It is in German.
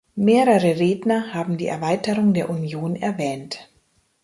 Mehrere Redner haben die Erweiterung der Union erwähnt.